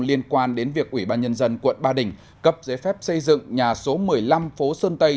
liên quan đến việc ủy ban nhân dân quận ba đình cấp giấy phép xây dựng nhà số một mươi năm phố sơn tây